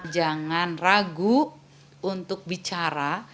jangan ragu untuk bicara